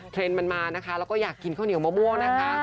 เทรนด์มันมานะคะแล้วก็อยากกินข้าวเหนียวมะม่วงนะคะ